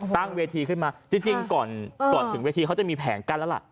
ตั้งเวทีขึ้นมาจริงก่อนถึงเวทีเขาจะมีแผนกั้นแล้วล่ะ